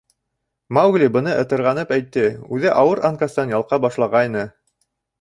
— Маугли быны ытырғанып әйтте, үҙе ауыр анкастан ялҡа башлағайны.